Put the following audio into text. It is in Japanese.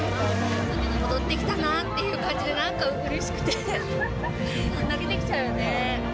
戻ってきたなという感じで、なんかうれしくて、泣けてきちゃうよね。